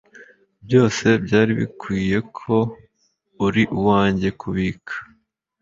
byose byari bikwiye ko uri uwanjye kubika